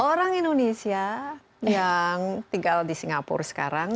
orang indonesia yang tinggal di singapura sekarang